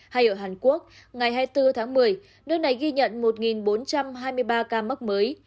hay ở hàn quốc ngày hai mươi bốn tháng một mươi nước này ghi nhận một bốn trăm hai mươi ba ca mắc mới